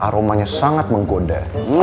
rumahnya sangat menggoda